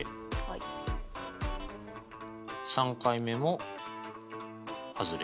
３回目もはずれ。